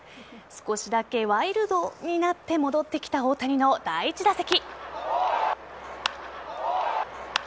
少しだけワイルドになって戻ってきた大谷の第１打席。